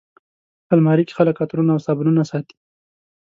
الماري کې خلک عطرونه او صابونونه ساتي